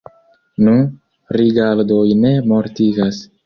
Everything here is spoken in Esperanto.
Nu, rigardoj ne mortigas.